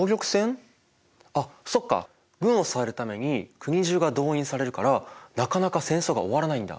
軍を支えるために国中が動員されるからなかなか戦争が終わらないんだ。